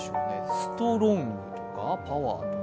ストロングとかパワーとか？